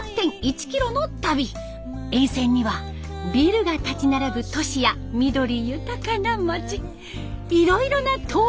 沿線にはビルが立ち並ぶ都市や緑豊かな町いろいろな東京が楽しめます。